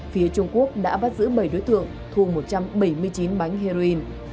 phía trung quốc đã bắt giữ bảy đối tượng thu một trăm bảy mươi chín bánh heroin